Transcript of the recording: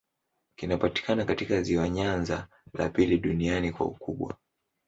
Kinapatikana katika ziwa Nyanza, la pili duniani kwa ukubwa.